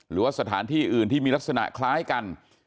หรือว่าสถานที่อื่นที่มีลักษณะคล้ายกัน